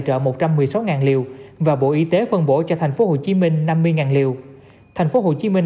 trợ một trăm một mươi sáu liều và bộ y tế phân bổ cho thành phố hồ chí minh năm mươi liều thành phố hồ chí minh